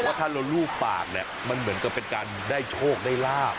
เย้นกว่ารูปปากมันเหมือนกันเป็นการได้โชคได้ลาบ